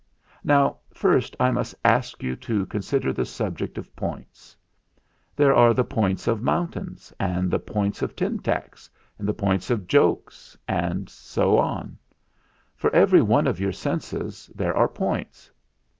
"Now first I must ask you to consider the subject of points. There are the points of mountains, and the points of tintacks, and the points of jokes, and so one. For every one of your senses there are points.